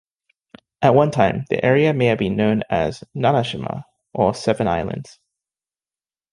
At one time, the area may have been known as "Nanashima" or "seven islands".